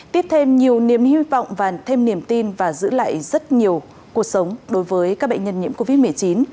tiếp thêm nhiều niềm hy vọng và thêm niềm tin và giữ lại rất nhiều cuộc sống đối với các bệnh nhân nhiễm covid một mươi chín